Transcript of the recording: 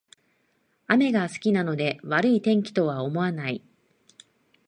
雨が好きなので悪い天気とは思わない